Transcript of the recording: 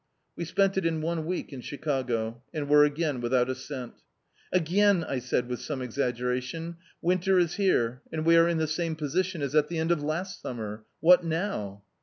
We spent it in one week in Chicago, and were again without a cent. "Again," I said with some exa^eration, "winter is here, and we are in the same position as at the end of last summer. What now?"